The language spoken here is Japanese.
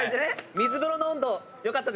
水風呂の温度良かった。